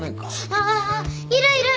あああいるいる！